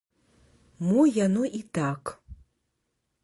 Мо яно і так.